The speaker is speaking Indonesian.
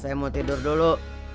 saya mau tidur dulu